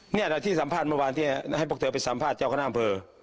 นี่ที่สัมภาษณ์เมื่อวานให้พวกเธอไปสัมภาษณ์เจ้าขนาดเผลอ